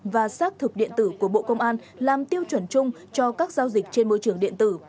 và xác thực điện tử của bộ công an làm tiêu chuẩn chung cho các giao dịch trên môi trường điện tử